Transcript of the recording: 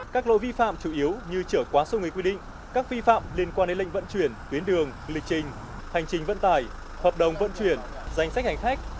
các lỗi vi phạm chủ yếu như trở quá số người quy định các vi phạm liên quan đến lệnh vận chuyển tuyến đường lịch trình hành trình vận tải hợp đồng vận chuyển danh sách hành khách